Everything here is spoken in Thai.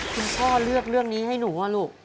พ่อเลือกเรื่องนี้ให้หนูว่าลูก